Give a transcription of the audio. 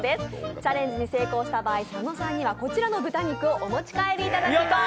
チャレンジに成功した場合佐野さんにはこちらの豚肉をお持ち帰りいただきます。